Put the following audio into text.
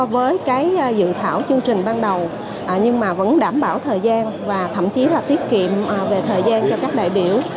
với cái dự thảo chương trình ban đầu nhưng mà vẫn đảm bảo thời gian và thậm chí là tiết kiệm về thời gian cho các đại biểu